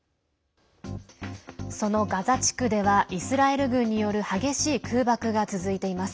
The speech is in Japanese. そのガザ地区ではイスラエル軍による激しい空爆が続いています。